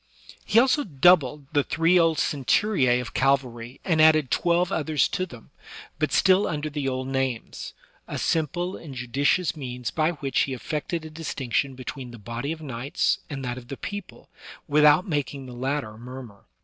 He also doubled the three old centuria of cavalry and added twelve others to them, but still under the old names — a simple and judicious means by which he effected a distinction between the body of knights and that of the people, without making the latter murmur.